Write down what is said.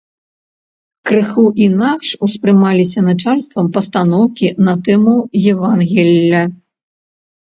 Крыху інакш успрымаліся начальствам пастаноўкі на тэмы евангелля.